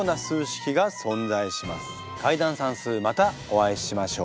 解談算数またお会いしましょう。